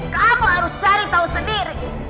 kamu harus cari tahu sendiri